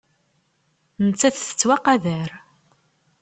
Nettat tettwaqadar.